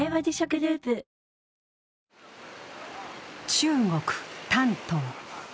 中国・丹東。